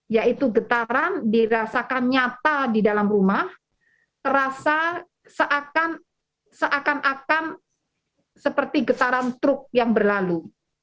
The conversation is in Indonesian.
yaitu getaran dirasakan nyata di dalam rumah terasa seakan akan seperti getaran truk yang berlalu